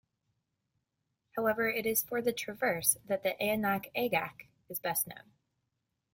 However it is for the traverse that the Aonach Eagach is best known.